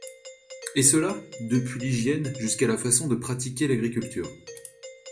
Et cela, depuis l'hygiène jusqu’à la façon de pratiquer l’agriculture.